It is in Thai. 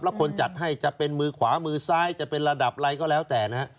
แล้วคนจัดให้จะเป็นมือขวามือซ้ายจะเป็นระดับอะไรก็แล้วแต่นะฮะ